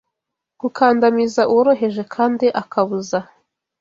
gukandamiza uworoheje kandi akabuza